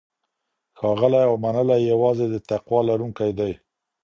ښاغلی او منلی یوازې د تقوی لرونکی دی.